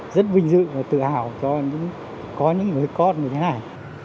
rất vinh dự và tự hào có những người con như thế này